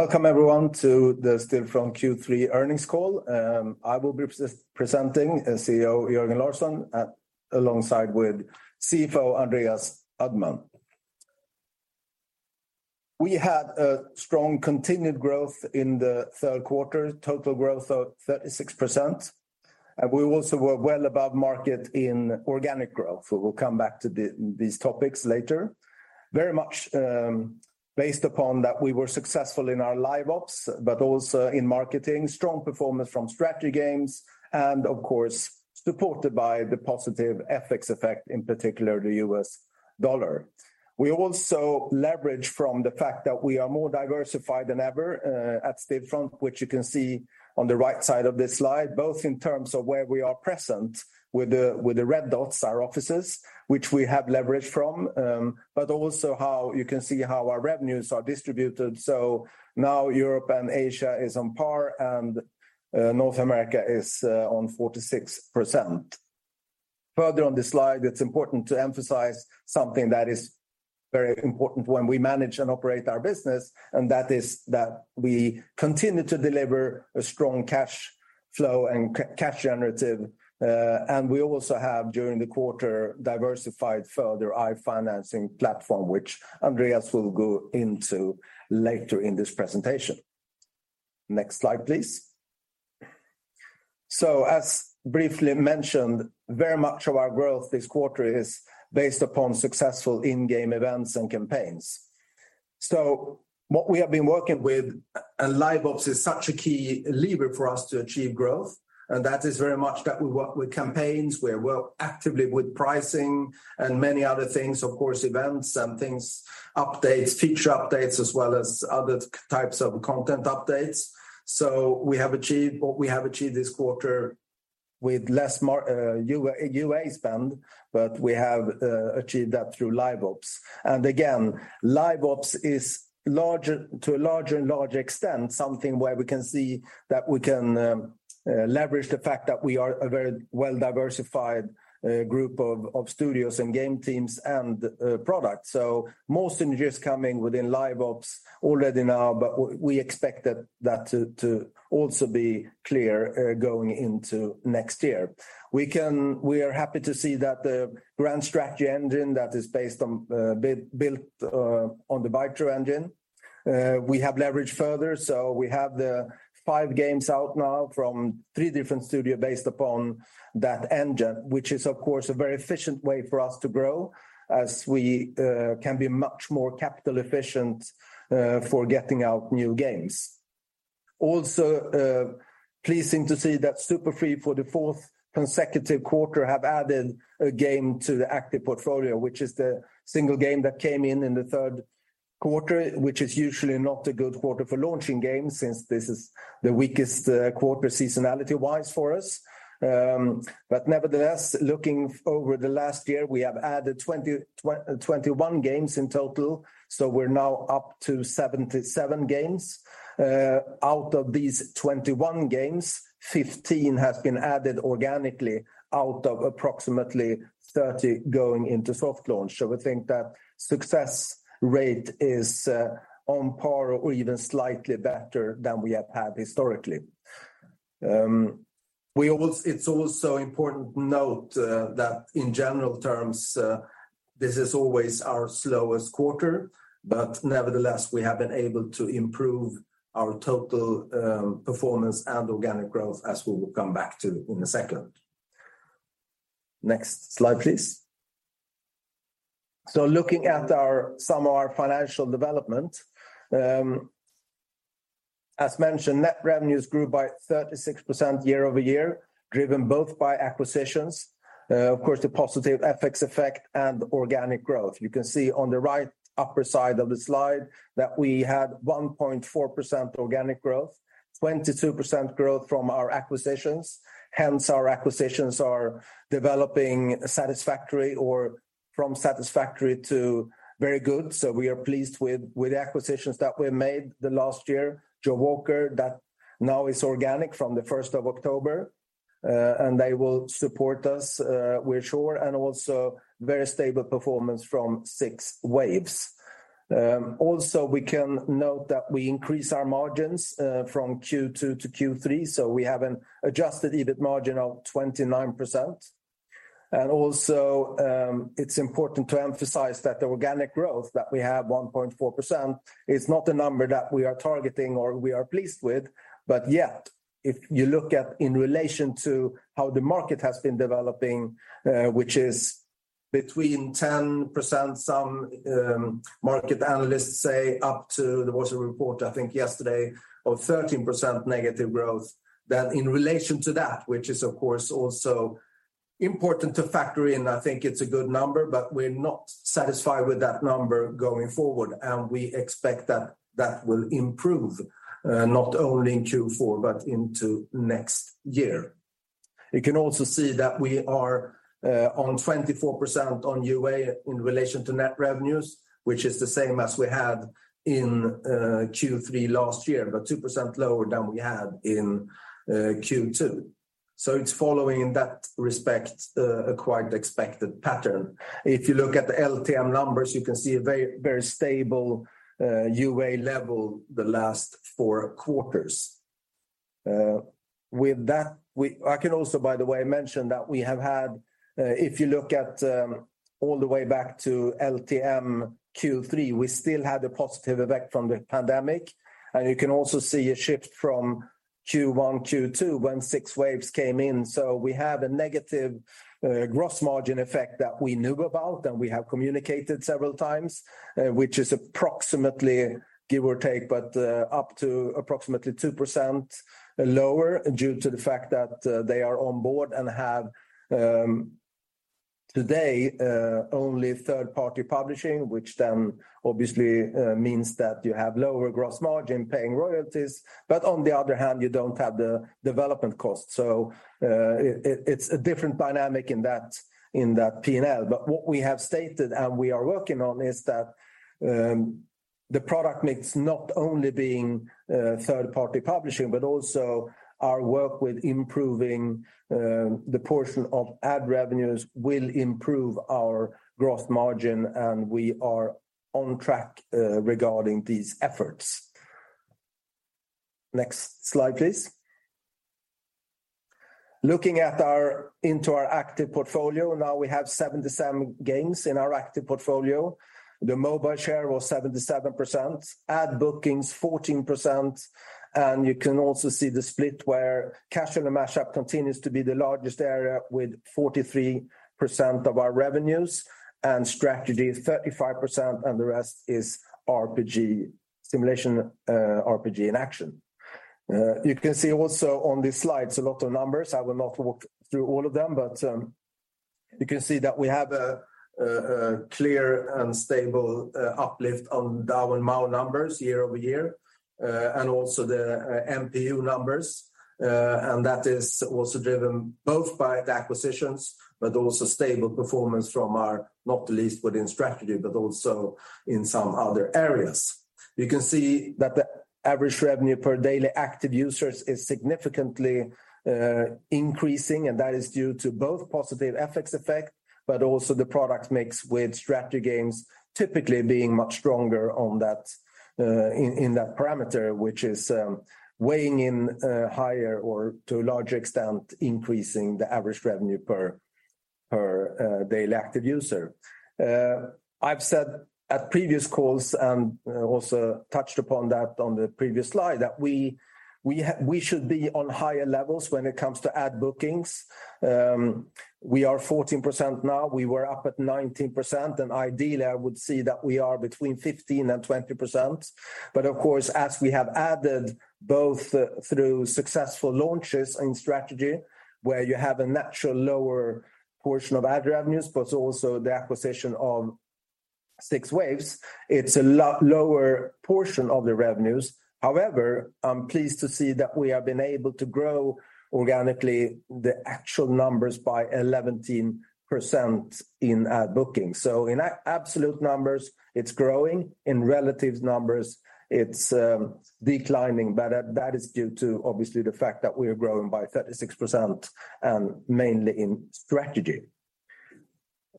Welcome everyone to the Stillfront Q3 earnings call. I will be presenting as CEO Jörgen Larsson, alongside CFO Andreas Uddman. We had a strong continued growth in the third quarter, total growth of 36%. We also were well above market in organic growth. We will come back to these topics later. Very much based upon that we were successful in our live ops, but also in marketing, strong performance from strategy games and of course supported by the positive FX effect, in particular the US dollar. We also leverage from the fact that we are more diversified than ever at Stillfront, which you can see on the right side of this slide, both in terms of where we are present with the red dots, our offices, which we have leveraged from. Also how you can see how our revenues are distributed, so now Europe and Asia is on par and, North America is, on 46%. Further on this slide, it's important to emphasize something that is very important when we manage and operate our business, and that is that we continue to deliver a strong cash flow and cash generative. We also have during the quarter diversified further our financing platform, which Andreas will go into later in this presentation. Next slide, please. As briefly mentioned, very much of our growth this quarter is based upon successful in-game events and campaigns. What we have been working with, and live ops is such a key lever for us to achieve growth, and that is very much that we work with campaigns, we work actively with pricing and many other things, of course, events and things, updates, feature updates, as well as other types of content updates. We have achieved what we have achieved this quarter with less UA spend, but we have achieved that through live ops. Again, live ops is larger, to a larger and larger extent, something where we can see that we can leverage the fact that we are a very well-diversified group of studios and game teams and products. Most energy is coming within live ops already now, but we expect that to also be clear going into next year. We are happy to see that the grand strategy engine that is based on, built, on the Bytro engine, we have leveraged further. We have the five games out now from three different studios based upon that engine, which is of course a very efficient way for us to grow as we can be much more capital efficient, for getting out new games. Also, pleasing to see that Super Free for the fourth consecutive quarter have added a game to the active portfolio, which is the single game that came in in the third quarter, which is usually not a good quarter for launching games since this is the weakest, quarter seasonality-wise for us. Nevertheless, looking over the last year, we have added 21 games in total, so we're now up to 77 games. Out of these 21 games, 15 has been added organically out of approximately 30 going into soft launch. We think that success rate is on par or even slightly better than we have had historically. It's also important to note that in general terms this is always our slowest quarter, but nevertheless, we have been able to improve our total performance and organic growth as we will come back to in a second. Next slide, please. Looking at our some of our financial development, as mentioned, net revenues grew by 36% year-over-year, driven both by acquisitions, of course, the positive FX effect and organic growth. You can see on the right upper side of the slide that we had 1.4% organic growth, 22% growth from our acquisitions. Hence, our acquisitions are developing satisfactory or from satisfactory to very good. We are pleased with acquisitions that we made the last year. Jawaker, that now is organic from the October 1st, and they will support us, we're sure, and also very stable performance from 6waves. We can note that we increase our margins from Q2 to Q3, so we have an adjusted EBIT margin of 29%. It's important to emphasize that the organic growth that we have, 1.4%, is not the number that we are targeting or we are pleased with. Yet, if you look at in relation to how the market has been developing, which is between 10%, some market analysts say up to, there was a report, I think yesterday, of 13% negative growth, that in relation to that, which is of course also important to factor in, I think it's a good number, but we're not satisfied with that number going forward. We expect that will improve, not only in Q4, but into next year. You can also see that we are on 24% on UA in relation to net revenues, which is the same as we had in Q3 last year, but 2% lower than we had in Q2. So it's following in that respect a quite expected pattern. If you look at the LTM numbers, you can see a very stable UA level the last four quarters. With that, I can also, by the way, mention that we have had, if you look at, all the way back to LTM Q3, we still had a positive effect from the pandemic. You can also see a shift from Q1, Q2 when 6waves came in. We have a negative gross margin effect that we knew about and we have communicated several times, which is approximately give or take, but, up to approximately 2% lower due to the fact that, they are on board and have, today, only third-party publishing, which then obviously, means that you have lower gross margin paying royalties. On the other hand, you don't have the development costs. It's a different dynamic in that P&L. What we have stated and we are working on is that the product mix not only being third-party publishing, but also our work with improving the portion of ad revenues will improve our gross margin, and we are on track regarding these efforts. Next slide, please. Looking into our active portfolio, now we have 77 games in our active portfolio. The mobile share was 77%, ad bookings 14%. You can also see the split where casual and match-three continues to be the largest area with 43% of our revenues and strategy 35%, and the rest is RPG, simulation, RPG and action. You can also see on this slide, it's a lot of numbers. I will not walk through all of them, but you can see that we have a clear and stable uplift on DAU and MAU numbers year-over-year, and also the MPU numbers. That is also driven both by the acquisitions, but also stable performance from our, not least within strategy, but also in some other areas. You can see that the average revenue per daily active users is significantly increasing, and that is due to both positive FX effect, but also the product mix with strategy games typically being much stronger on that, in that parameter, which is weighing in higher or to a large extent, increasing the average revenue per daily active user. I've said at previous calls and also touched upon that on the previous slide that we should be on higher levels when it comes to ad bookings. We are 14% now. We were up at 19%, and ideally, I would see that we are between 15% and 20%. Of course, as we have added both through successful launches in strategy, where you have a natural lower portion of ad revenues, but also the acquisition of 6waves, it's a lower portion of the revenues. However, I'm pleased to see that we have been able to grow organically the actual numbers by 11% in ad booking. In absolute numbers, it's growing. In relative numbers, it's declining. That is due to obviously the fact that we are growing by 36% and mainly in strategy.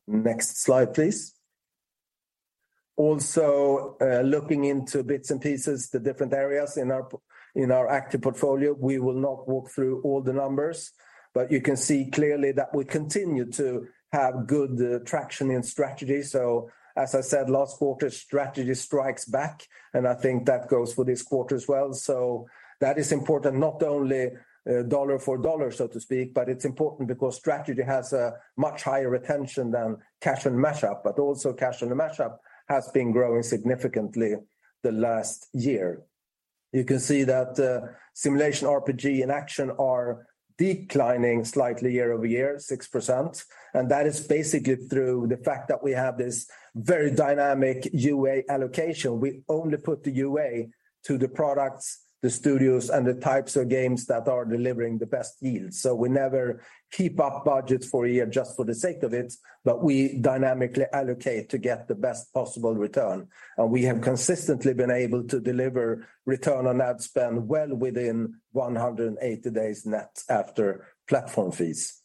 Next slide, please. Also, looking into bits and pieces, the different areas in our active portfolio, we will not walk through all the numbers, but you can see clearly that we continue to have good traction in strategy. As I said last quarter, strategy strikes back, and I think that goes for this quarter as well. That is important, not only dollar for dollar, so to speak, but it's important because strategy has a much higher retention than casual and match-three, but also casual and match-3 has been growing significantly the last year. You can see that, simulation, RPG, and action are declining slightly year-over-year, 6%. That is basically through the fact that we have this very dynamic UA allocation. We only put the UA to the products, the studios, and the types of games that are delivering the best yields. We never keep up budgets for a year just for the sake of it, but we dynamically allocate to get the best possible return. We have consistently been able to deliver return on ad spend well within 180 days net after platform fees.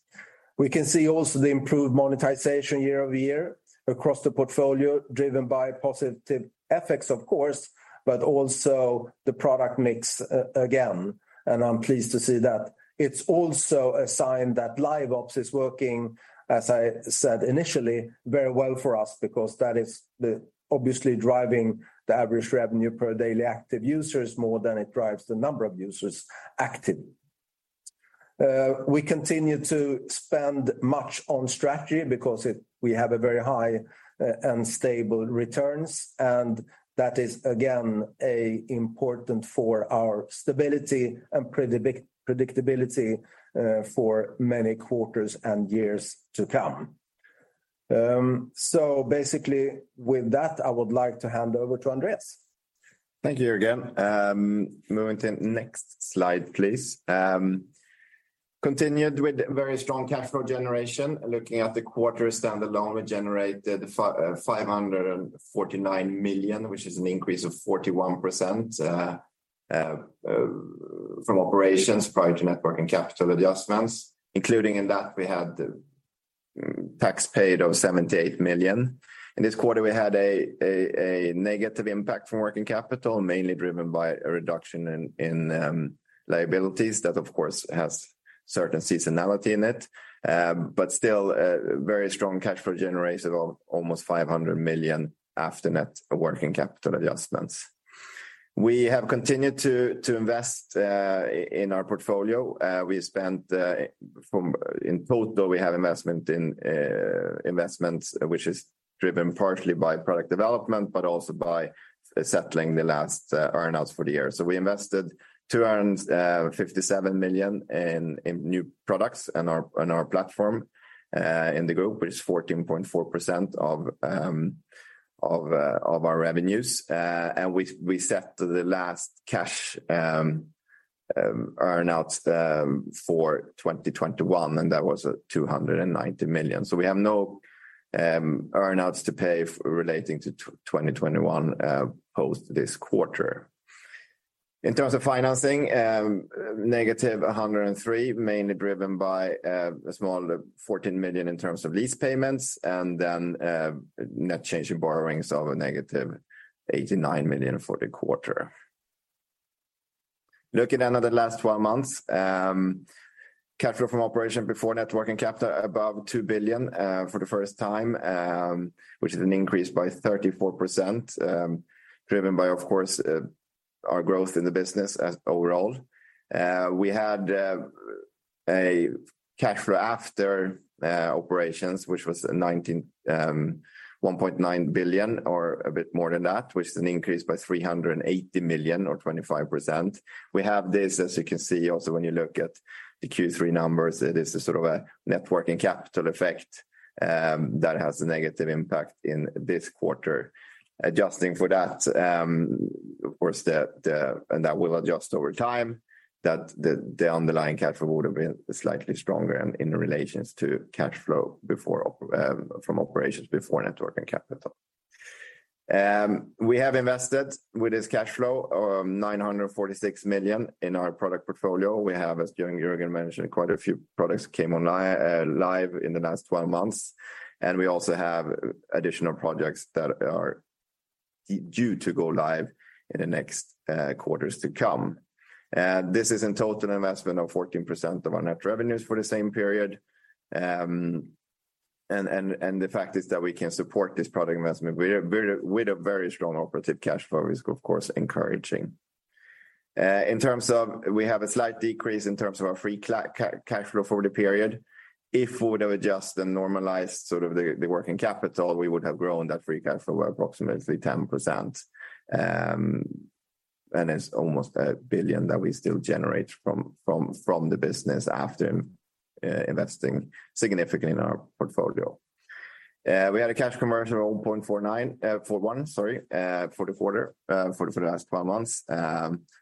We can see also the improved monetization year-over-year across the portfolio, driven by positive FX, of course, but also the product mix again. I'm pleased to see that. It's also a sign that Liveops is working, as I said initially, very well for us because that is obviously driving the average revenue per daily active users more than it drives the number of users active. We continue to spend much on strategy because we have a very high and stable returns, and that is again a important for our stability and predictability for many quarters and years to come. Basically with that, I would like to hand over to Andreas. Thank you, Jörgen. Moving to next slide, please. Continued with very strong cash flow generation. Looking at the quarter standalone, we generated 549 million, which is an increase of 41% from operations prior to net working capital adjustments, including in that we had tax paid of 78 million. In this quarter, we had a negative impact from working capital, mainly driven by a reduction in liabilities. That, of course, has certain seasonality in it. Still, very strong cash flow generation of almost 500 million after net working capital adjustments. We have continued to invest in our portfolio. In total, we have investment in investments which is driven partially by product development, but also by settling the last earn-outs for the year. We invested 257 million in new products on our platform in the group, which is 14.4% of our revenues. We set the last cash earn-outs for 2021, and that was 290 million. We have no earn-outs to pay relating to 2021 post this quarter. In terms of financing, negative 103 million, mainly driven by a small 14 million in terms of lease payments, and then net change in borrowings of a -89 million for the quarter. Looking at the last twelve months, cash flow from operations before net working capital above 2 billion for the first time, which is an increase by 34%, driven by, of course, our growth in the business overall. We had a cash flow from operations, which was 1.9 billion or a bit more than that, which is an increase by 380 million or 25%. We have this, as you can see also when you look at the Q3 numbers, it is a sort of a net working capital effect that has a negative impact in this quarter. Adjusting for that, of course, that will adjust over time, that the underlying cash flow would have been slightly stronger in relation to cash flow from operations before net working capital. We have invested with this cash flow 946 million in our product portfolio. We have, as Jörgen mentioned, quite a few products came online live in the last 12 months, and we also have additional projects that are due to go live in the next quarters to come. This is in total investment of 14% of our net revenues for the same period. The fact is that we can support this product investment with a very strong operative cash flow is of course encouraging. In terms of, we have a slight decrease in terms of our free cash flow for the period. If we would have adjusted and normalized the working capital, we would have grown that free cash flow approximately 10%. It's almost 1 billion that we still generate from the business after investing significantly in our portfolio. We had a cash conversion of 0.41 for the quarter, for the last twelve months,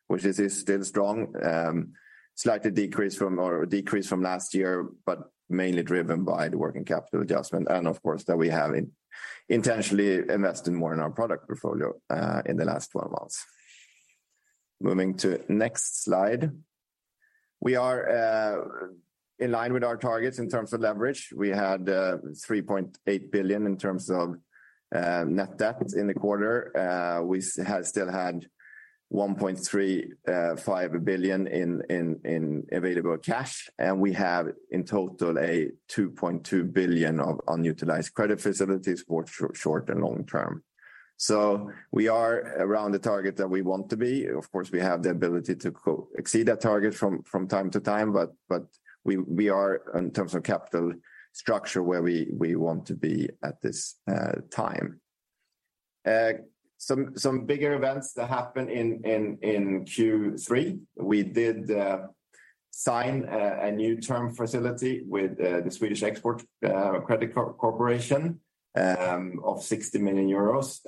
which is still strong. Slight decrease from last year, but mainly driven by the working capital adjustment and of course that we have intentionally invested more in our product portfolio in the last twelve months. Moving to next slide. We are in line with our targets in terms of leverage. We had 3.8 billion in terms of net debt in the quarter. We still had 1.35 billion in available cash, and we have in total 2.2 billion of unutilized credit facilities for short and long term. We are around the target that we want to be. Of course, we have the ability to exceed that target from time to time, but we are, in terms of capital structure, where we want to be at this time. Some bigger events that happened in Q3. We did sign a new term facility with the Swedish Export Credit Corporation of 60 million euros.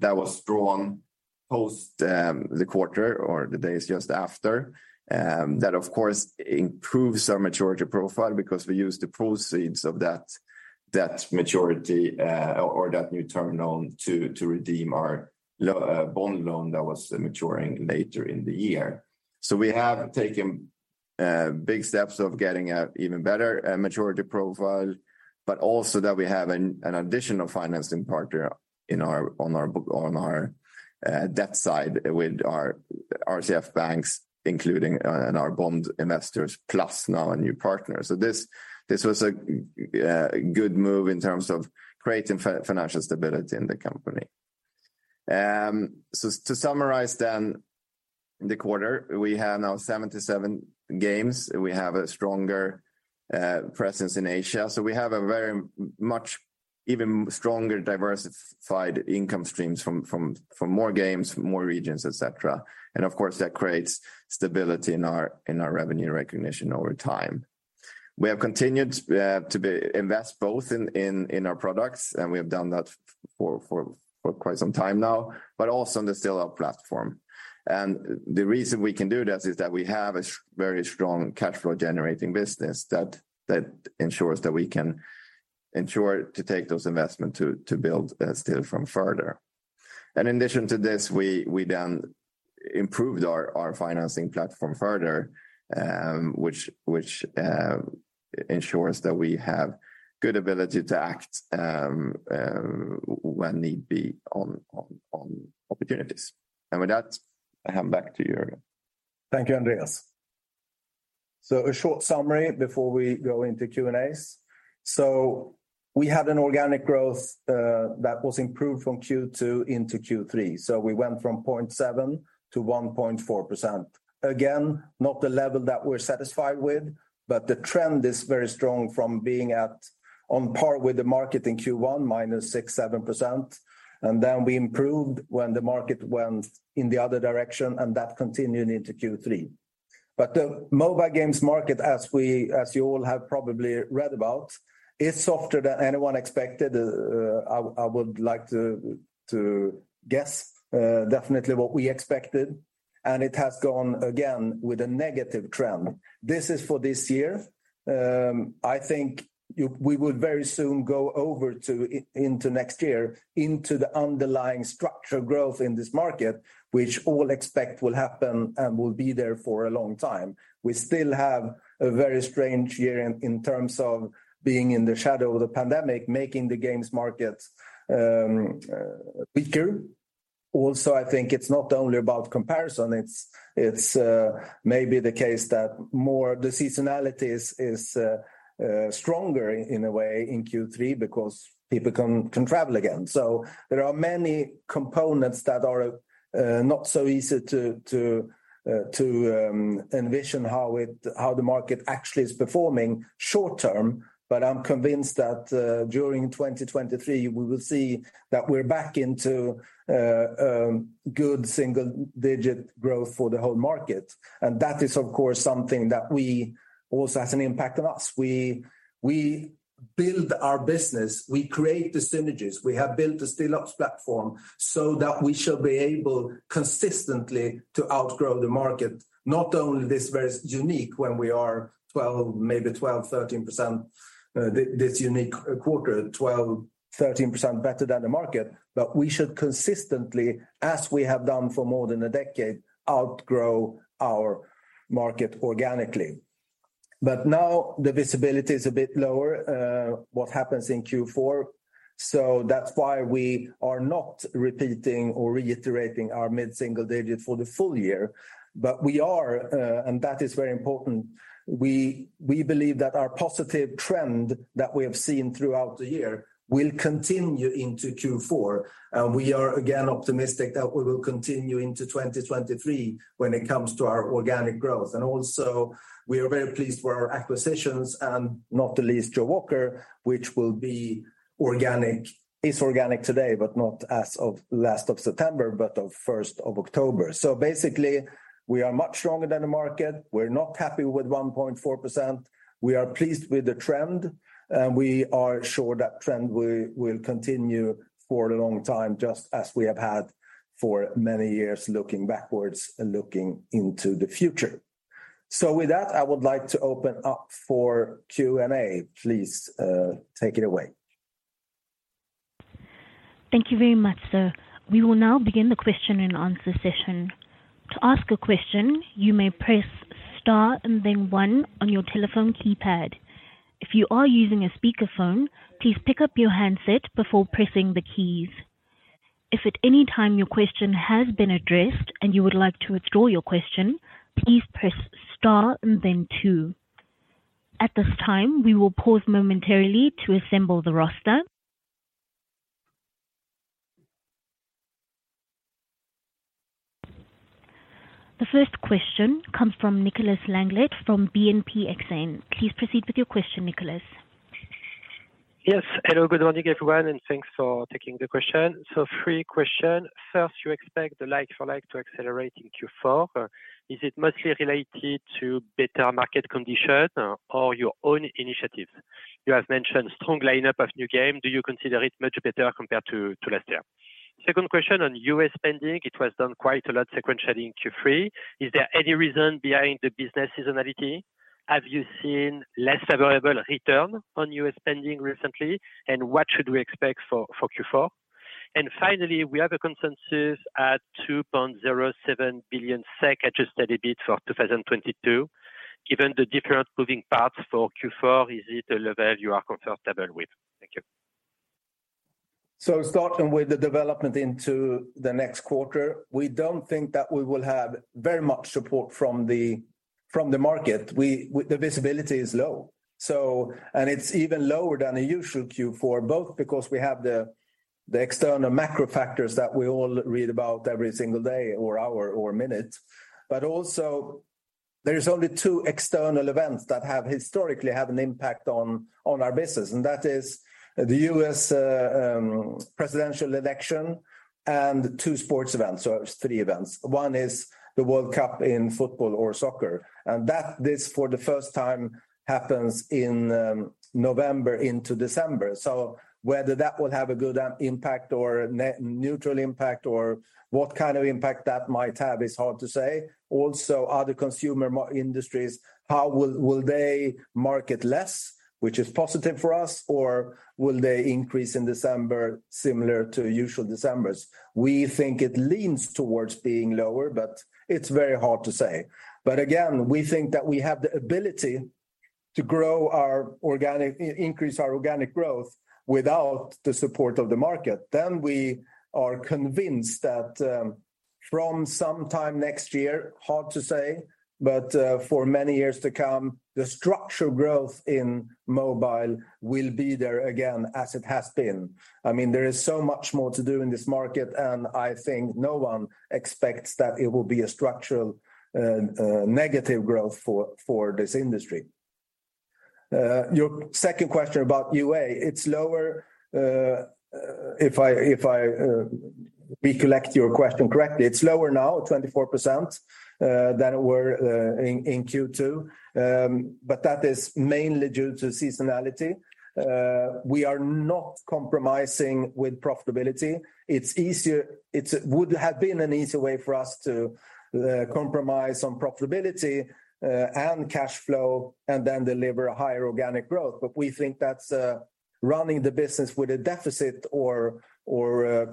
That was drawn post the quarter or the days just after. That of course improves our maturity profile because we used the proceeds of that new term loan to redeem our bond loan that was maturing later in the year. We have taken big steps of getting an even better maturity profile, but also that we have an additional financing partner in our debt side with our RCF banks and our bond investors, plus now a new partner. This was a good move in terms of creating financial stability in the company. To summarize then the quarter, we have now 77 games. We have a stronger presence in Asia. We have a very much even stronger diversified income streams from more games, more regions, et cetera. Of course, that creates stability in our revenue recognition over time. We have continued to invest both in our products, and we have done that for quite some time now, but also in the StillOps platform. The reason we can do this is that we have a very strong cash flow generating business that ensures that we can ensure to take those investments to build StillOps further. In addition to this, we then improved our financing platform further, which ensures that we have good ability to act when need be on opportunities. With that, I hand back to you, Jörgen. Thank you, Andreas. A short summary before we go into Q&As. We had an organic growth that was improved from Q2 into Q3. We went from 0.7%-1.4%. Again, not the level that we're satisfied with, but the trend is very strong from being on par with the market in Q1 -6%-7%. Then we improved when the market went in the other direction, and that continued into Q3. The mobile games market, as you all have probably read about, is softer than anyone expected. I would like to guess definitely what we expected, and it has gone again with a negative trend. This is for this year. I think we would very soon go over to into next year into the underlying structural growth in this market, which all expect will happen and will be there for a long time. We still have a very strange year in terms of being in the shadow of the pandemic, making the games market weaker. Also, I think it's not only about comparison, it's maybe the case that more the seasonality is stronger in a way in Q3 because people can travel again. There are many components that are not so easy to envision how the market actually is performing short-term, but I'm convinced that during 2023, we will see that we're back into good single digit growth for the whole market. That is, of course, something that also has an impact on us. We build our business, we create the synergies. We have built the StillOps platform so that we shall be able consistently to outgrow the market. Not only this very unique when we are 12%, maybe 12%, 13%, this unique quarter, 12%, 13% better than the market. We should consistently, as we have done for more than a decade, outgrow our market organically. Now the visibility is a bit lower, what happens in Q4. That's why we are not repeating or reiterating our mid-single-digit for the full year. We are, and that is very important. We believe that our positive trend that we have seen throughout the year will continue into Q4. We are again optimistic that we will continue into 2023 when it comes to our organic growth. We are very pleased with our acquisitions and not the least Jawaker, which is organic today, but not as of end of September, but as of October 1st. Basically, we are much stronger than the market. We're not happy with 1.4%. We are pleased with the trend, and we are sure that trend will continue for a long time, just as we have had for many years looking backwards and looking into the future. With that, I would like to open up for Q&A. Please, take it away. Thank you very much, sir. We will now begin the question and answer session. To ask a question, you may press star and then one on your telephone keypad. If you are using a speaker phone, please pick up your handset before pressing the keys. If at any time your question has been addressed and you would like to withdraw your question, please press star and then two. At this time, we will pause momentarily to assemble the roster. The first question comes from Nicolas Langlet from BNP Paribas. Please proceed with your question, Nicolas. Yes. Hello, good morning, everyone, and thanks for taking the question. Three questions. First, you expect the like for like to accelerate in Q4. Is it mostly related to better market condition or your own initiatives? You have mentioned strong lineup of new game. Do you consider it much better compared to last year? Second question on UA spending. It was up quite a lot sequentially in Q3. Is there any reason behind the business seasonality? Have you seen less available return on UA spending recently? And what should we expect for Q4? Finally, we have a consensus at 2.07 billion SEK adjusted EBIT for 2022. Given the different moving parts for Q4, is it a level you are comfortable with? Thank you. Starting with the development into the next quarter, we don't think that we will have very much support from the market. The visibility is low. It's even lower than a usual Q4, both because we have the external macro factors that we all read about every single day or hour or minute. Also there is only two external events that have historically had an impact on our business, and that is the U.S. presidential election and two sports events or three events. One is the World Cup in football or soccer. That this for the first time happens in November into December. Whether that will have a good impact or neutral impact or what kind of impact that might have is hard to say. Other consumer marketing industries, how will they market less, which is positive for us, or will they increase in December similar to usual Decembers? We think it leans towards being lower, but it's very hard to say. We think that we have the ability to increase our organic growth without the support of the market. We are convinced that from sometime next year, hard to say, but for many years to come, the structural growth in mobile will be there again as it has been. I mean, there is so much more to do in this market, and I think no one expects that it will be a structural negative growth for this industry. Your second question about UA, it's lower, if I recollect your question correctly. It's lower now, 24% than it were in Q2. That is mainly due to seasonality. We are not compromising with profitability. It would have been an easier way for us to compromise on profitability and cash flow and then deliver a higher organic growth. We think that's running the business with a deficit or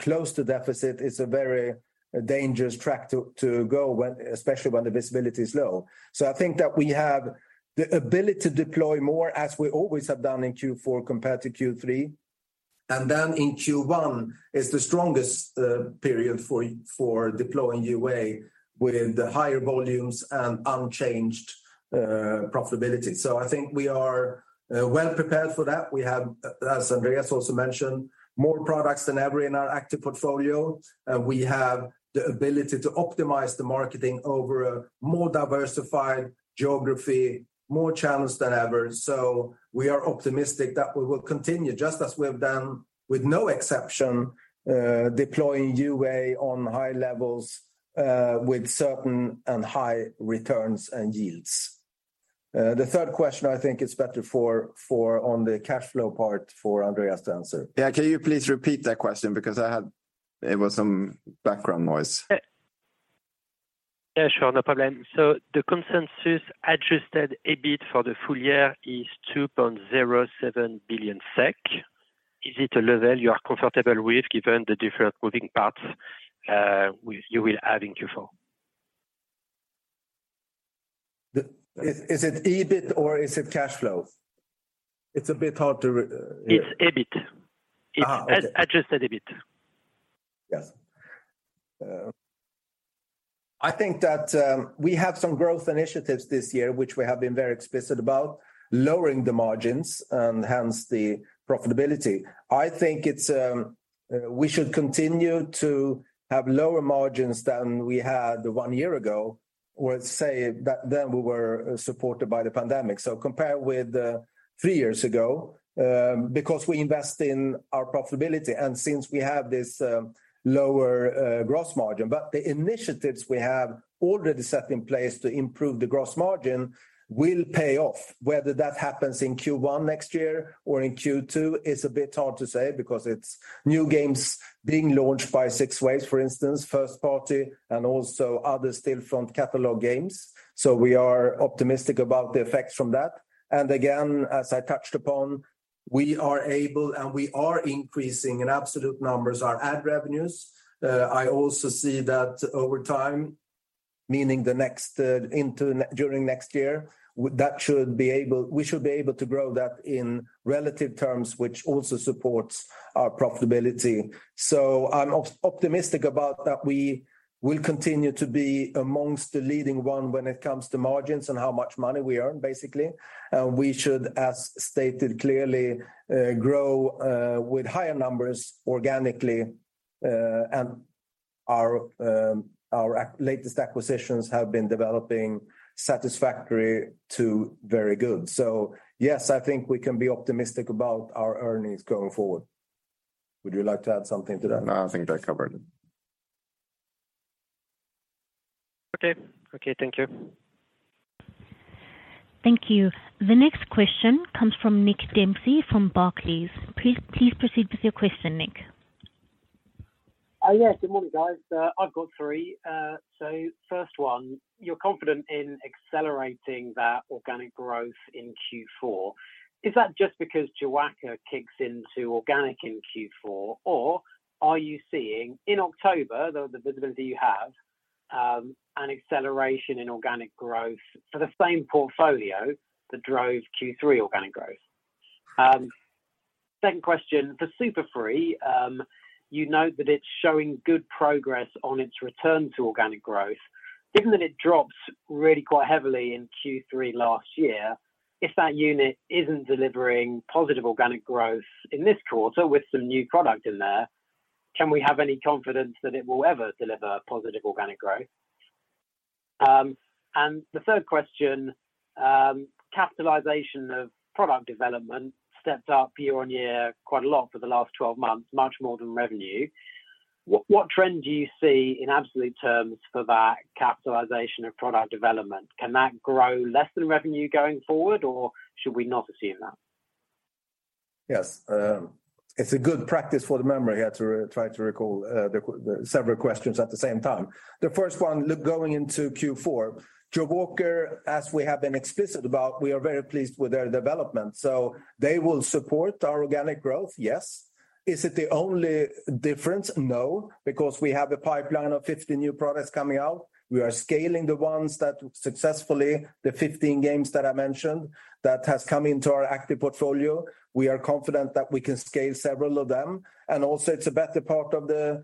close to deficit is a very dangerous track to go, especially when the visibility is low. I think that we have the ability to deploy more as we always have done in Q4 compared to Q3. In Q1 is the strongest period for deploying UA within the higher volumes and unchanged profitability. I think we are well prepared for that. We have, as Andreas also mentioned, more products than ever in our active portfolio. We have the ability to optimize the marketing over a more diversified geography, more channels than ever. We are optimistic that we will continue, just as we have done with no exception, deploying UA on high levels, with certain and high returns and yields. The third question I think is better for on the cash flow part for Andreas to answer. Yeah, can you please repeat that question? Because there was some background noise. Yeah. Yeah, sure. No problem. The consensus adjusted EBIT for the full year is 2.07 billion SEK. Is it a level you are comfortable with given the different moving parts with you will have in Q4? Is it EBIT or is it cash flow? It's a bit hard to re- It's EBIT. Okay. It's adjusted EBIT. Yes. I think that we have some growth initiatives this year, which we have been very explicit about lowering the margins and hence the profitability. I think it's we should continue to have lower margins than we had one year ago, or say that then we were supported by the pandemic. Compared with three years ago because we invest in our profitability and since we have this lower gross margin. The initiatives we have already set in place to improve the gross margin will pay off. Whether that happens in Q1 next year or in Q2 is a bit hard to say because it's new games being launched by 6waves, for instance, first party, and also other Stillfront catalog games. We are optimistic about the effects from that. Again, as I touched upon, we are increasing in absolute numbers our ad revenues. I also see that over time, meaning during next year, we should be able to grow that in relative terms, which also supports our profitability. I'm optimistic about that we will continue to be amongst the leading one when it comes to margins and how much money we earn, basically. We should, as stated clearly, grow with higher numbers organically. And our latest acquisitions have been developing satisfactory to very good. Yes, I think we can be optimistic about our earnings going forward. Would you like to add something to that? No, I think that covered it. Okay. Okay, thank you. Thank you. The next question comes from Nick Dempsey from Barclays. Please proceed with your question, Nick. Yes. Good morning, guys. I've got three. First one, you're confident in accelerating that organic growth in Q4. Is that just because Jawaker kicks into organic in Q4? Or are you seeing in October, the visibility you have, an acceleration in organic growth for the same portfolio that drove Q3 organic growth? Second question, for SuperFree, you note that it's showing good progress on its return to organic growth. Given that it dropped really quite heavily in Q3 last year, if that unit isn't delivering positive organic growth in this quarter with some new product in there, can we have any confidence that it will ever deliver positive organic growth? The third question, capitalization of product development stepped up year-on-year quite a lot for the last twelve months, much more than revenue. What trend do you see in absolute terms for that capitalization of product development? Can that grow less than revenue going forward, or should we not assume that? Yes. It's a good practice for the memory here to try to recall the several questions at the same time. The first one, look going into Q4, Jawaker, as we have been explicit about, we are very pleased with their development. They will support our organic growth, yes. Is it the only difference? No, because we have a pipeline of 50 new products coming out. We are scaling the ones that successfully, the 15 games that I mentioned that has come into our active portfolio. We are confident that we can scale several of them. It's a better part of the,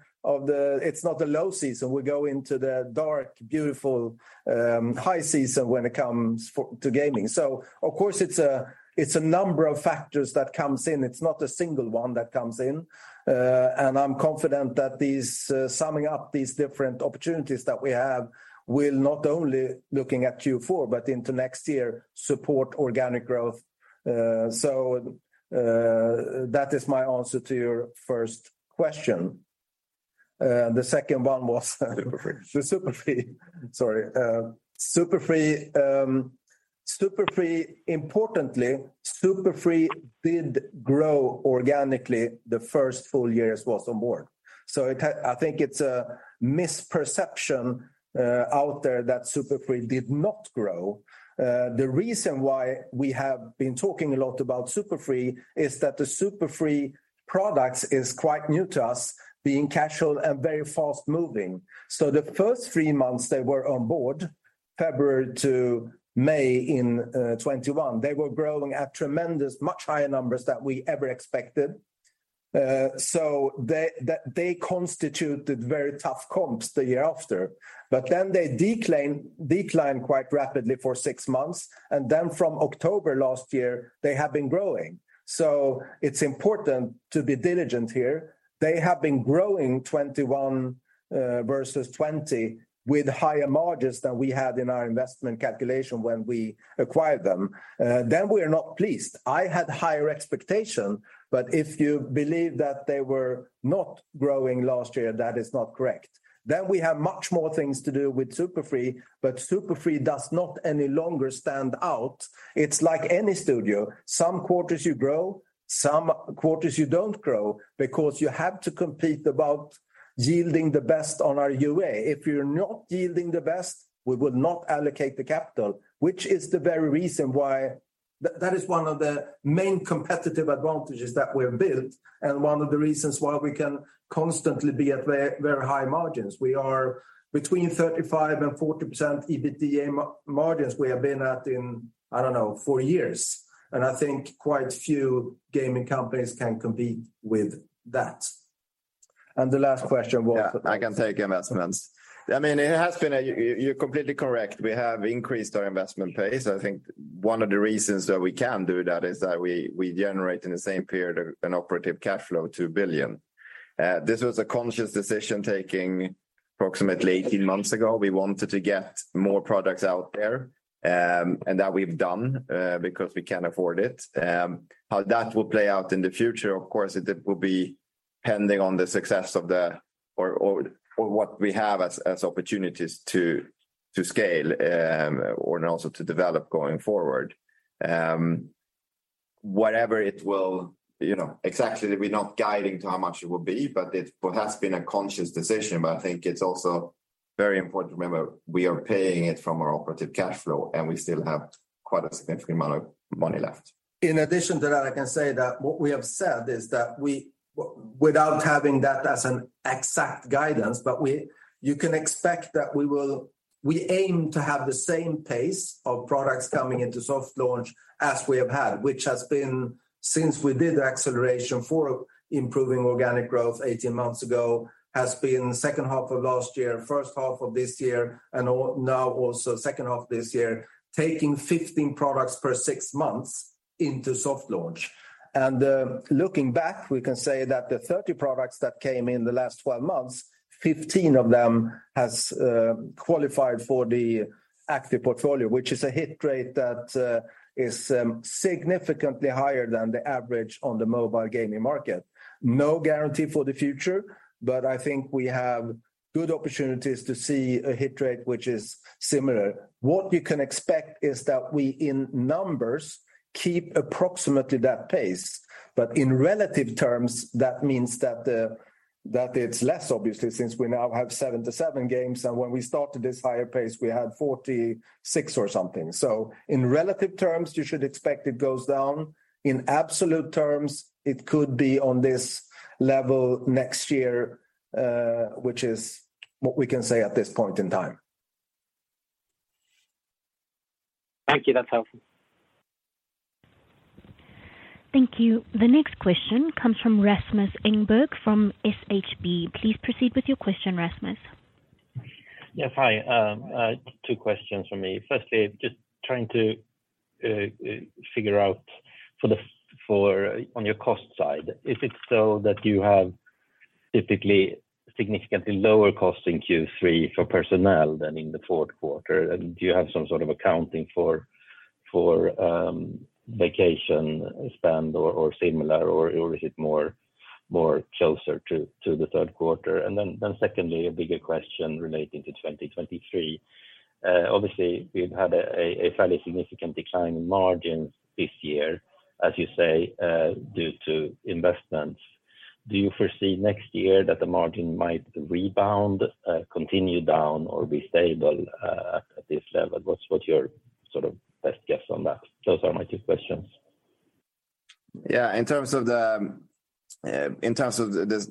it's not the low season. We go into the dark, beautiful, high season when it comes to gaming. Of course, it's a number of factors that comes in. It's not a single one that comes in. I'm confident that these, summing up these different opportunities that we have will not only looking at Q4, but into next year support organic growth. That is my answer to your first question. The second one was Super Free Games. Super Free Games importantly, Super Free Games did grow organically the first full year as well on board. I think it's a misperception out there that Super Free Games did not grow. The reason why we have been talking a lot about Super Free Games is that the Super Free Games products is quite new to us being casual and very fast-moving. The first three months they were on board, February to May in 2021, they were growing at tremendous, much higher numbers than we ever expected. They constituted very tough comps the year after. They declined quite rapidly for six months, and then from October last year, they have been growing. It's important to be diligent here. They have been growing 21% versus 20% with higher margins than we had in our investment calculation when we acquired them. We are not pleased. I had higher expectation, but if you believe that they were not growing last year, that is not correct. We have much more things to do with Super Free Games, but Super Free Games does not any longer stand out. It's like any studio. Some quarters you grow, some quarters you don't grow because you have to compete about yielding the best on our UA. If you're not yielding the best, we will not allocate the capital, which is the very reason why that is one of the main competitive advantages that we have built, and one of the reasons why we can constantly be at very high margins. We are between 35%-40% EBITDA margins we have been at in, I don't know, four years. I think quite few gaming companies can compete with that. The last question was. Yeah, I can take investments. I mean, you're completely correct. We have increased our investment pace. I think one of the reasons that we can do that is that we generate in the same period an operating cash flow, 2 billion. This was a conscious decision taken approximately 18 months ago. We wanted to get more products out there, and that we've done, because we can afford it. How that will play out in the future, of course, it will be depending on the success of what we have as opportunities to scale, or, and also to develop going forward. Whatever it will, you know, exactly, we're not guiding to how much it will be, but what has been a conscious decision, but I think it's also very important to remember, we are paying it from our operating cash flow, and we still have quite a significant amount of money left. In addition to that, I can say that what we have said is that without having that as an exact guidance, but you can expect that we aim to have the same pace of products coming into soft launch as we have had, which has been since we did the acceleration for improving organic growth 18 months ago, has been second half of last year, first half of this year, and now also second half this year, taking 15 products per six months into soft launch. Looking back, we can say that the 30 products that came in the last 12 months, 15 of them has qualified for the active portfolio, which is a hit rate that is significantly higher than the average on the mobile gaming market. No guarantee for the future, but I think we have good opportunities to see a hit rate which is similar. What you can expect is that we, in numbers, keep approximately that pace. In relative terms, that means that it's less obvious since we now have 77 games, and when we started this higher pace, we had 46 or something. In relative terms, you should expect it goes down. In absolute terms, it could be on this level next year, which is what we can say at this point in time. Thank you. That's helpful. Thank you. The next question comes from Rasmus Engberg from SHB. Please proceed with your question, Rasmus. Yes. Hi. Two questions from me. Firstly, just trying to figure out on your cost side, is it so that you have typically significantly lower cost in Q3 for personnel than in the fourth quarter? And do you have some sort of accounting for vacation spend or similar, or is it more closer to the third quarter? Secondly, a bigger question relating to 2023. Obviously we've had a fairly significant decline in margins this year, as you say, due to investments. Do you foresee next year that the margin might rebound, continue down or be stable at this level? What's your sort of best guess on that? Those are my two questions. Yeah. In terms of the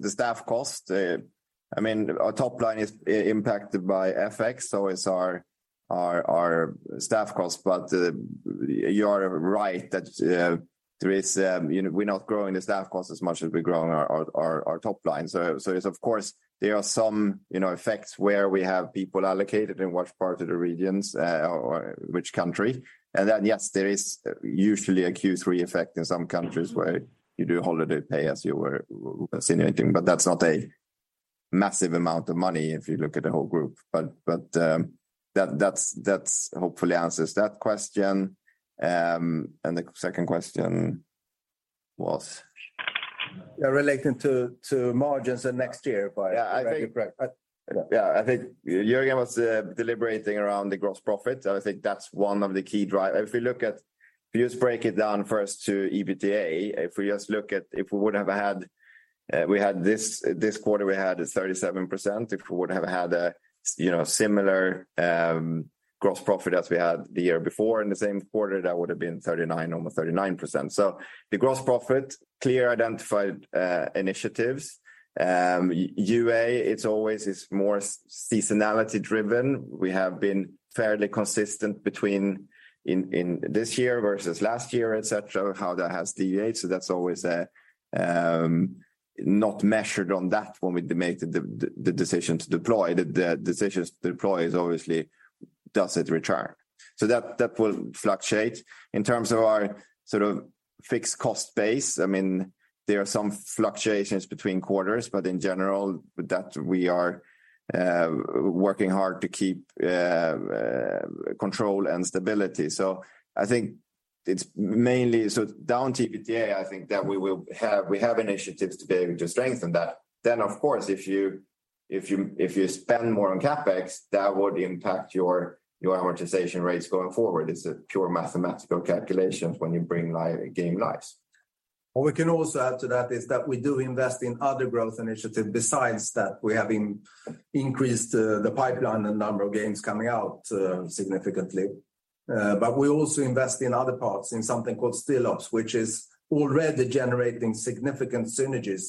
staff cost, I mean our top line is impacted by FX, so is our staff costs. You are right that there is. You know, we're not growing the staff costs as much as we're growing our top line. It's of course there are some, you know, effects where we have people allocated in which part of the regions or which country. Then yes, there is usually a Q3 effect in some countries where you do holiday pay as you were insinuating, but that's not a massive amount of money if you look at the whole group. That hopefully answers that question. The second question was? Yeah, relating to margins and next year. Yeah, I think. Correct. Yeah. I think Jörgen was deliberating around the gross profit. I think that's one of the key driver. If you just break it down first to EBITDA, if we just look at, if we would have had, we had this quarter we had a 37%. If we would have had a, you know, similar gross profit as we had the year before in the same quarter, that would've been 39%, almost 39%. So the gross profit clearly identified initiatives. UA, it's always is more seasonality driven. We have been fairly consistent between in this year versus last year, et cetera, how that has deviated. So that's always a not measured on that when we make the decision to deploy. The decisions to deploy is obviously does it return. So that will fluctuate. In terms of our sort of fixed cost base, I mean, there are some fluctuations between quarters, but in general that we are working hard to keep control and stability. I think it's mainly down to TPTA, I think that we have initiatives to be able to strengthen that. Of course if you spend more on CapEx, that would impact your amortization rates going forward. It's a purely mathematical calculation when you bring live games live. What we can also add to that is that we do invest in other growth initiatives besides that we have increased the pipeline and number of games coming out significantly. But we also invest in other parts in something called StillOps, which is already generating significant synergies.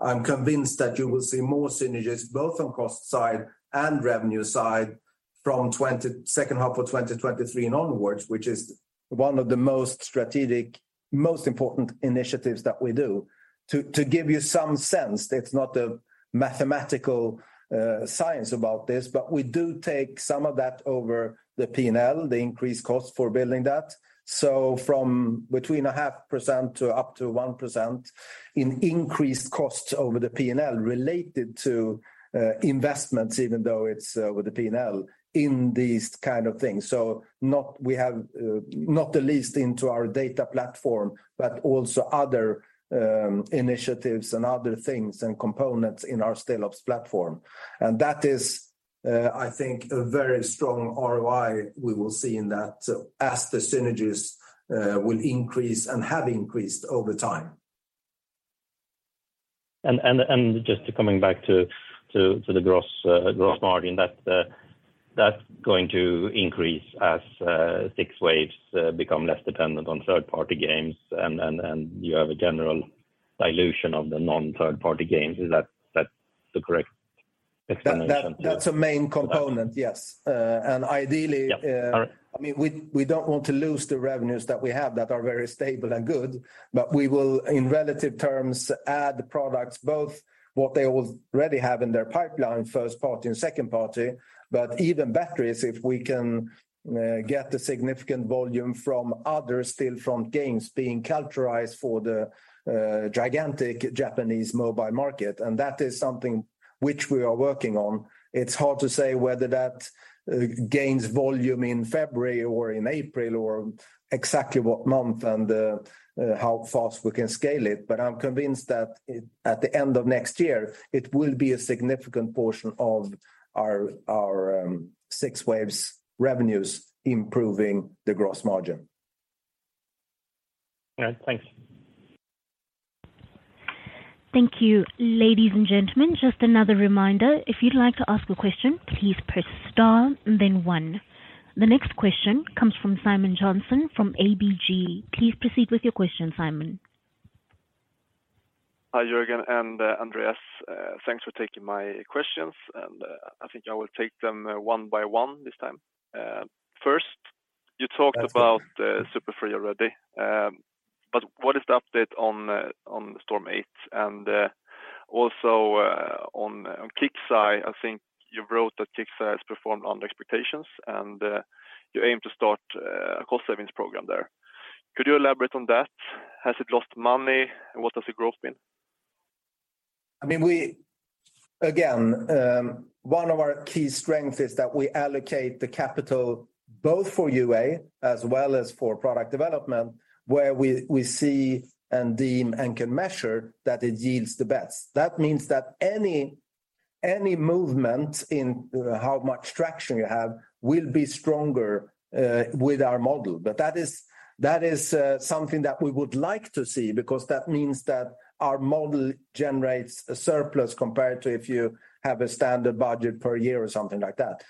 I'm convinced that you will see more synergies both on cost side and revenue side from second half of 2023 and onwards, which is one of the most strategic, most important initiatives that we do. To give you some sense, it's not a mathematical science about this, but we do take some of that over the P&L, the increased cost for building that. From between 0.5% to up to 1% in increased costs over the P&L related to investments even though it's with the P&L in these kind of things. We have not the least into our data platform, but also other initiatives and other things and components in our StillOps platform. That is, I think, a very strong ROI we will see in that as the synergies will increase and have increased over time. Just coming back to the gross margin, that's going to increase as 6waves become less dependent on third-party games and you have a general dilution of the non-third-party games. Is that the correct explanation? That, that's a main component, yes. Ideally. Yeah. All right I mean, we don't want to lose the revenues that we have that are very stable and good, but we will in relative terms add products both what they already have in their pipeline, first party and second party. Even better is if we can get the significant volume from other Stillfront games being culturalized for the gigantic Japanese mobile market. That is something which we are working on. It's hard to say whether that gains volume in February or in April or exactly what month and how fast we can scale it, but I'm convinced that it, at the end of next year, it will be a significant portion of our 6waves revenues improving the gross margin. All right. Thanks. Thank you. Ladies and gentlemen, just another reminder. If you'd like to ask a question, please press star and then one. The next question comes from Simon Jönsson from ABG. Please proceed with your question, Simon. Hi, Jörgen and Andreas. Thanks for taking my questions, and I think I will take them one by one this time. First you talked about Super Free Games already, but what is the update on Storm8 and also on KIXEYE? I think you wrote that KIXEYE has performed under expectations and you aim to start a cost savings program there. Could you elaborate on that? Has it lost money, and what has the growth been? I mean, again, one of our key strengths is that we allocate the capital both for UA as well as for product development, where we see and deem and can measure that it yields the best. That means that any movement in how much traction you have will be stronger with our model. That is something that we would like to see because that means that our model generates a surplus compared to if you have a standard budget per year or something like that.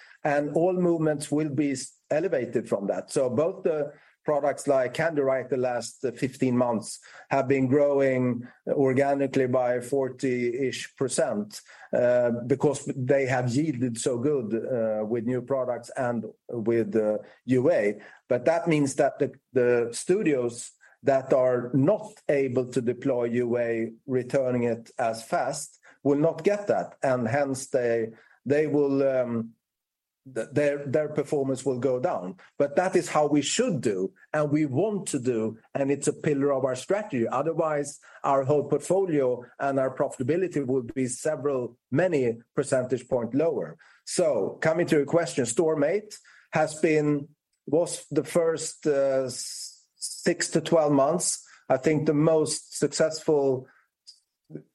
All movements will be elevated from that. Both the products like Candywriter the last 15 months have been growing organically by 40-ish%, because they have yielded so good with new products and with UA. That means that the studios that are not able to deploy UA returning it as fast will not get that, and hence their performance will go down. That is how we should do, and we want to do, and it's a pillar of our strategy. Otherwise, our whole portfolio and our profitability would be several many percentage points lower. Coming to your question, Storm8 was the first six-12 months, I think, the most successful.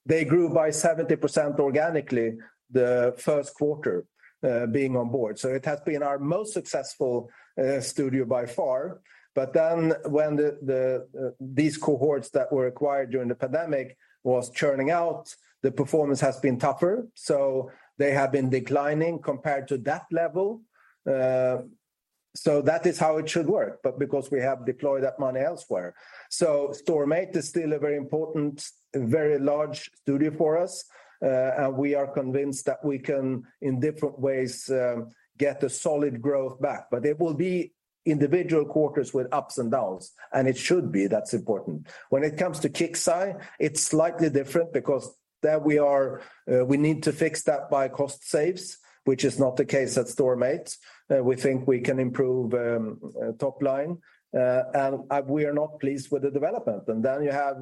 They grew by 70% organically the first quarter being on board. It has been our most successful studio by far. Then when these cohorts that were acquired during the pandemic was churning out, the performance has been tougher, so they have been declining compared to that level. That is how it should work, but because we have deployed that money elsewhere. Storm8 is still a very important and very large studio for us, and we are convinced that we can, in different ways, get a solid growth back. It will be individual quarters with ups and downs, and it should be, that's important. When it comes to KIXEYE, it's slightly different because there we need to fix that by cost savings, which is not the case at Storm8. We think we can improve top line, and we are not pleased with the development. Then you have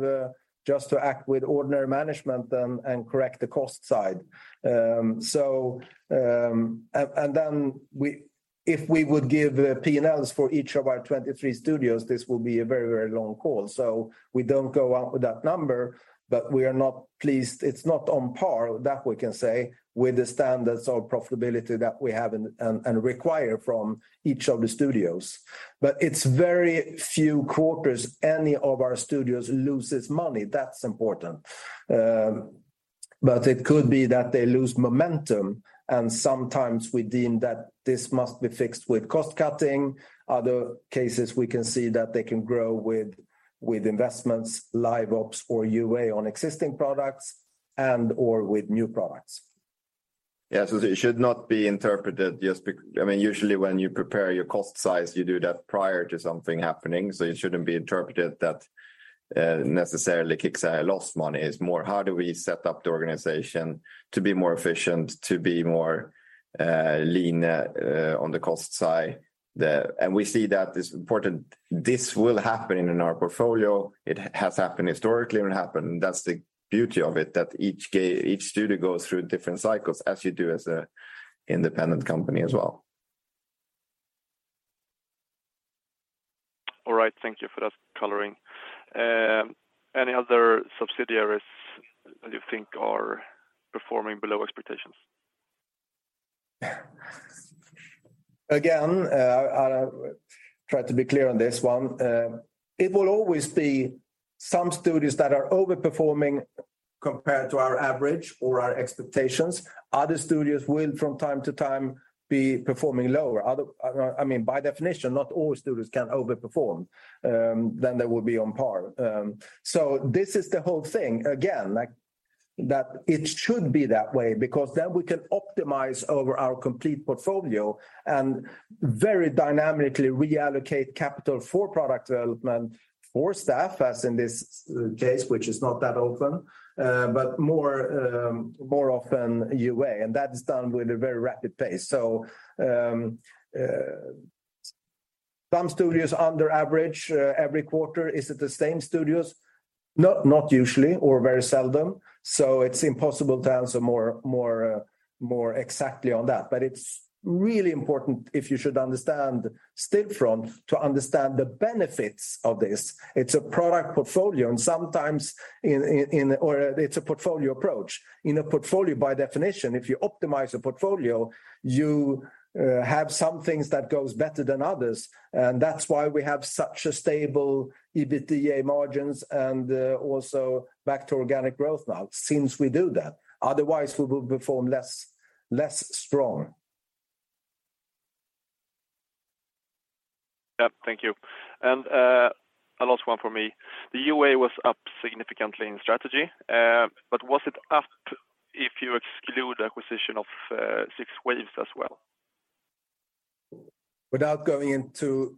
just to act with ordinary management and correct the cost side. If we would give P&Ls for each of our 23 studios, this will be a very, very long call. We don't go out with that number, but we are not pleased. It's not on par, that we can say, with the standards of profitability that we have and require from each of the studios. It's very few quarters any of our studios loses money. That's important. It could be that they lose momentum, and sometimes we deem that this must be fixed with cost cutting. Other cases, we can see that they can grow with investments, live ops or UA on existing products and, or with new products. It should not be interpreted. I mean, usually when you prepare your cost base, you do that prior to something happening. It shouldn't be interpreted that necessarily KIXEYE lost money. It's more how do we set up the organization to be more efficient, to be more lean on the cost side. We see that it's important this will happen in our portfolio. It has happened historically, it happened. That's the beauty of it, that each studio goes through different cycles as you do as an independent company as well. All right. Thank you for that coloring. Any other subsidiaries that you think are performing below expectations? I'll try to be clear on this one. It will always be some studios that are overperforming compared to our average or our expectations. Other studios will, from time to time, be performing lower. I mean, by definition, not all studios can overperform, then they will be on par. This is the whole thing. Like, that it should be that way because then we can optimize over our complete portfolio and very dynamically reallocate capital for product development for staff, as in this case, which is not that often, but more often UA, and that is done with a very rapid pace. Some studios under average every quarter, is it the same studios? No, not usually or very seldom. It's impossible to answer more exactly on that. It's really important if you should understand Stillfront to understand the benefits of this. It's a product portfolio. Or it's a portfolio approach. In a portfolio, by definition, if you optimize a portfolio, you have some things that goes better than others. That's why we have such a stable EBITDA margins and also back to organic growth now since we do that. Otherwise, we will perform less strong. Yeah. Thank you. A last one from me. The UA was up significantly in strategy, but was it up if you exclude acquisition of 6waves as well? Without going into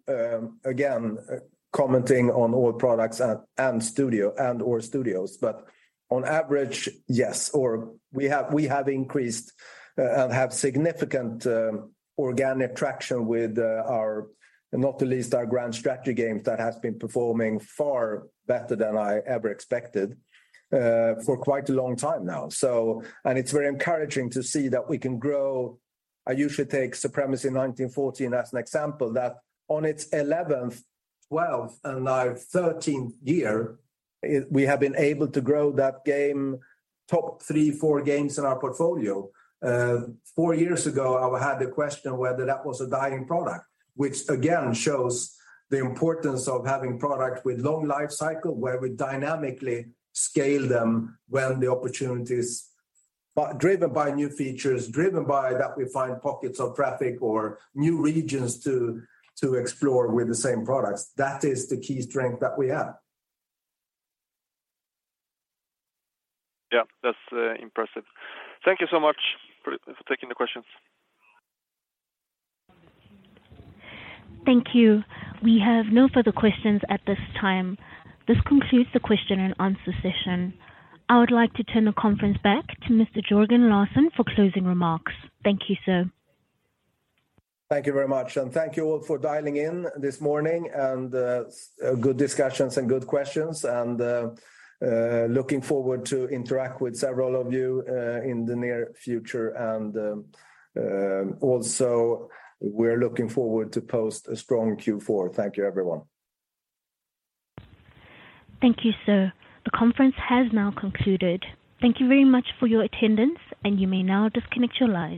again commenting on all products and studio and/or studios, but on average, yes. We have increased and have significant organic traction with our, not the least, our grand strategy games that has been performing far better than I ever expected for quite a long time now. It's very encouraging to see that we can grow. I usually take Supremacy 1914 as an example, that on its eleventh, twelfth, and now thirteenth year, we have been able to grow that game top three, four games in our portfolio. Four years ago, I had the question whether that was a dying product, which again shows the importance of having product with long life cycle, where we dynamically scale them when the opportunity is driven by new features, driven by that we find pockets of traffic or new regions to explore with the same products. That is the key strength that we have. Yeah. That's impressive. Thank you so much for taking the questions. Thank you. We have no further questions at this time. This concludes the question and answer session. I would like to turn the conference back to Mr. Jörgen Larsson for closing remarks. Thank you, sir. Thank you very much. Thank you all for dialing in this morning, good discussions and good questions, looking forward to interact with several of you in the near future, also we're looking forward to post a strong Q4. Thank you everyone. Thank you, sir. The conference has now concluded. Thank you very much for your attendance, and you may now disconnect your lines.